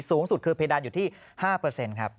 สูงสุดคือเพดานอยู่ที่๕ครับ